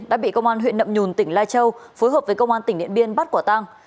đã bị công an huyện nậm nhùn tỉnh lai châu phối hợp với công an tỉnh điện biên bắt quả tang